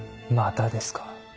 またですか。